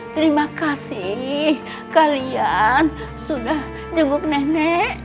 terima kasih kalian sudah jenguk nenek